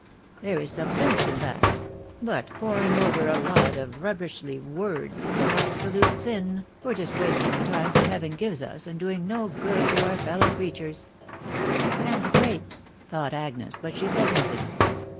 There is some sense in that : but poring over a lot of rubbishly words is an absolute sin, for it is wasting the time that Heaven gives us, and doing no good to our fellow creatures." " And the grapes !" thought Agnes, but she said nothing.